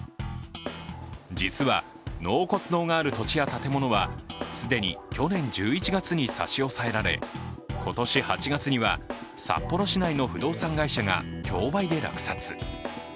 実は納骨堂がある土地や建物は既に去年１１月に差し押さえられ今年８月には札幌市内の不動産会社が競売で落札。